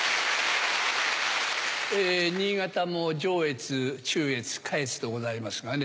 新潟も上越中越下越とございますがね。